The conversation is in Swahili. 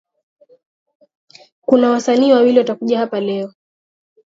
Kuna wasanii wawili watakuja hapa leo